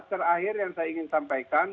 terakhir yang saya ingin sampaikan